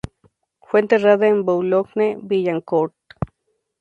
Fue enterrada en Boulogne-Billancourt.